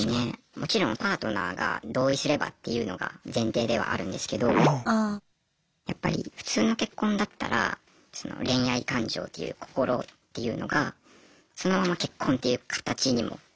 もちろんパートナーが同意すればっていうのが前提ではあるんですけどやっぱり普通の結婚だったらその恋愛感情っていう心っていうのがそのまま結婚っていう形にもつながっていくと思うんですけど。